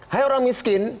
hai orang miskin